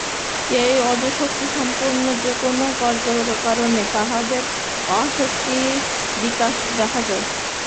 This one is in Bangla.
এই ওজঃশক্তিসম্পন্ন পুরুষ যে-কোন কার্য করেন, তাহাতেই মহাশক্তির বিকাশ দেখা যায়।